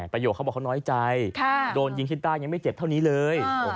ประโยคเขาบอกเขาน้อยใจโดนยิงที่ใต้ยังไม่เจ็บเท่านี้เลย